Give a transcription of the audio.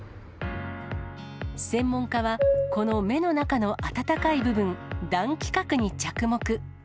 専門家は、この目の中の暖かい部分、暖気核に着目。